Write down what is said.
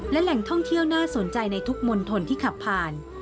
และแหล่งท่องเที่ยวน่าสนใจในทุกมณฑลที่ขับผ่าน